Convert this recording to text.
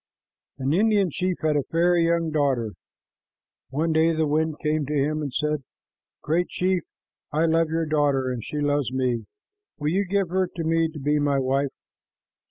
An Indian chief had a fair young daughter. One day the wind came to him and said, "Great chief, I love your daughter, and she loves me. Will you give her to me to be my wife?"